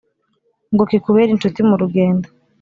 ngo kikubere inshuti mu rugendo